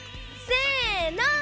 せの！